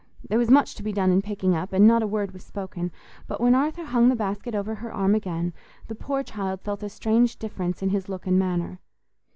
There was much to be done in picking up, and not a word was spoken; but when Arthur hung the basket over her arm again, the poor child felt a strange difference in his look and manner.